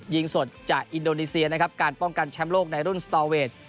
ยิงสดจากอินโดนีเซียนะครับการป้องกันแชมป์โลกในรุ่นสตอเวท